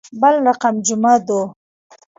بل رقم جمعه دو.